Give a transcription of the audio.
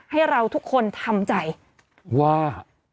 ให้เราทุกคนทำใจว่า